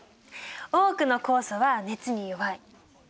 多くの酵素は熱に弱い。